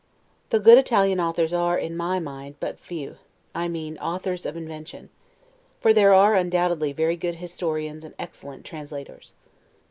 The good Italian authors are, in my mind, but few; I mean, authors of invention; for there are, undoubtedly, very good historians and excellent translators.